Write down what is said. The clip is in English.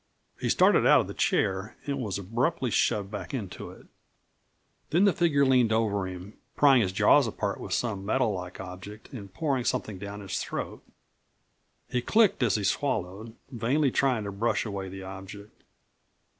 He started out of the chair, and was abruptly shoved back into it, Then the figure leaned over him, prying his jaws apart with some metal like object and pouring something down his throat. He clicked as he swallowed, vainly trying to brush away the object.